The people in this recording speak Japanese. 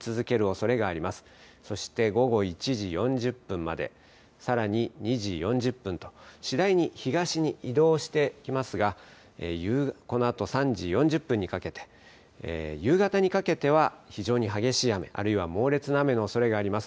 そして午後１時４０分まで、さらに２時４０分と、次第に東に移動してきますがこのあと３時４０分にかけて夕方にかけては非常に激しい雨、あるいは猛烈な雨のおそれがあります。